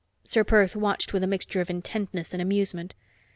Ser Perth watched with a mixture of intentness and amusement.